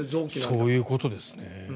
そういうことですね。